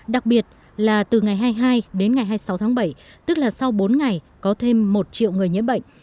đặc biệt là từ ngày hai mươi hai đến ngày hai mươi sáu tháng bảy tức là sau bốn ngày có thêm một triệu người nhiễm bệnh